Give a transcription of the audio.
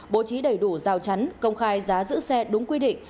bố trí đầy đủ rào chắn công khai giá giữ xe đúng quy định